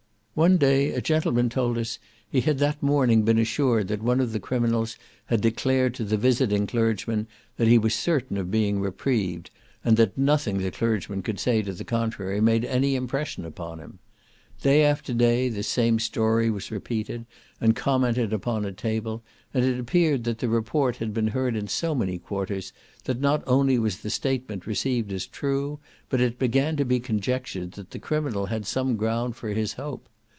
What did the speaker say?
One day a gentleman told us he had that morning been assured that one of the criminals had declared to the visiting clergyman that he was certain of being reprieved, and that nothing the clergyman could say to the contrary made any impression upon him. Day after day this same story was repeated, and commented upon at table, and it appeared that the report had been heard in so many quarters, that not only was the statement received as true, but it began to be conjectured that the criminal had some ground for his hope.